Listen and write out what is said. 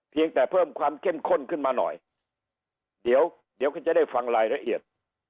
แต่เพิ่มความเข้มข้นขึ้นมาหน่อยเดี๋ยวเดี๋ยวก็จะได้ฟังรายละเอียด